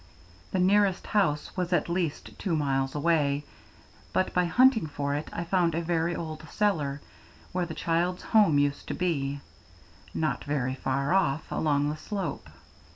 The nearest house was at least two miles away, but by hunting for it I found a very old cellar, where the child's home used to be, not very far off, along the slope.